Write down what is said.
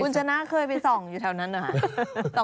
คุณชนะเคยไปส่องอยู่แถวนั้นเหรอคะ